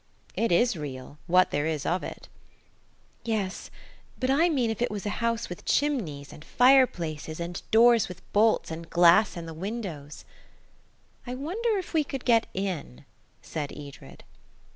"It is real, what there is of it." "Yes; but I mean if it was a house with chimneys, and fireplaces, and doors with bolts, and glass in the windows." "I wonder if we could get in?" said Edred.